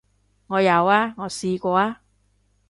我有啊，我試過啊